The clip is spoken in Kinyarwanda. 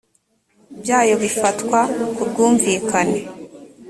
byayo bifatwa ku bwumvikane